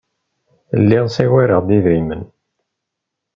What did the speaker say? Lliɣ ssagareɣ-d idrimen.